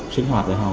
sinh hoạt với họ